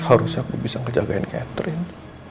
harusnya aku bisa ngejagain catering